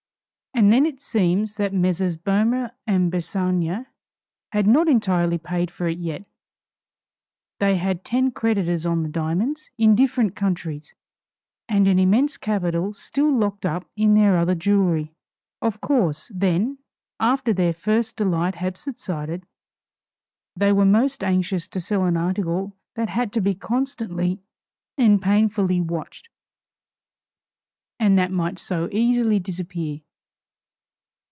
And then it seems that Messrs. Boehmer & Bassange had not entirely paid for it yet. They had ten creditors on the diamonds in different countries, and an immense capital still locked up in their other jewelry. Of course, then, after their first delight had subsided, they were most anxious to sell an article that had to be constantly and painfully watched, and that might so easily disappear.